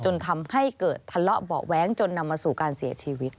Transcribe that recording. จนทำให้เกิดทะเลาะเบาะแว้งจนนำมาสู่การเสียชีวิต